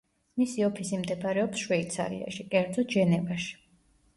მისი ოფისი მდებარეობს შვეიცარიაში, კერძოდ ჟენევაში.